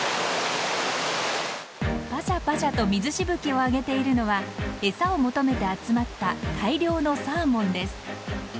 パシャパシャと水しぶきを上げているのは餌を求めて集まった大量のサーモンです。